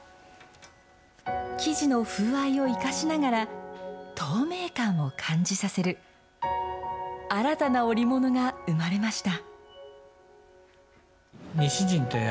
生地の風合いを生かしながら、透明感も感じさせる、新たな織物が生まれました。